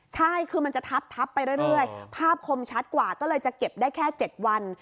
ใช่คือมันจะทับไปเรื่อยภาพคมชัดกว่าก็เลยจะเก็บได้แค่๗วัน